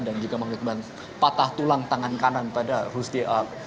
dan juga mengakibatkan patah tulang tangan kanan pada ruzdi